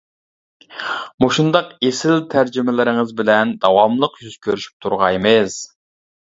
مۇشۇنداق ئېسىل تەرجىمىلىرىڭىز بىلەن داۋاملىق يۈز كۆرۈشۈپ تۇرغايمىز.